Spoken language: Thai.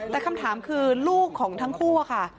แต่คำถามคือลูกของทั้งคู่อะค่ะ